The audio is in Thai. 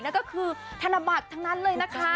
นั่นก็คือธนบัตรทั้งนั้นเลยนะคะ